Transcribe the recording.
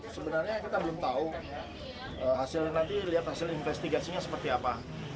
sebenarnya kita belum tahu hasilnya nanti lihat hasil investigasinya seperti apa